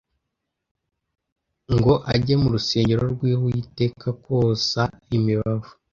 ngo ajye mu rusengero rw'Uwiteka kosa imibavu."